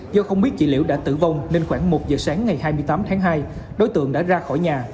do không biết chị liễu đã tử vong nên khoảng một giờ sáng ngày hai mươi tám tháng hai đối tượng đã ra khỏi nhà